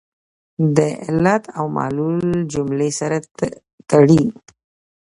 د علت او معلول جملې سره تړي.